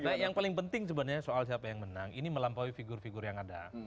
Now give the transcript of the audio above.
nah yang paling penting sebenarnya soal siapa yang menang ini melampaui figur figur yang ada